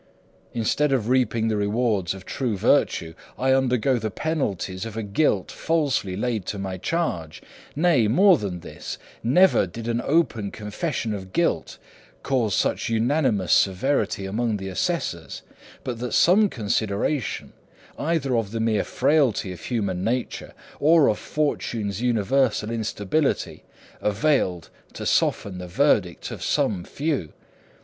Instead of reaping the rewards of true virtue, I undergo the penalties of a guilt falsely laid to my charge nay, more than this; never did an open confession of guilt cause such unanimous severity among the assessors, but that some consideration, either of the mere frailty of human nature, or of fortune's universal instability, availed to soften the verdict of some few.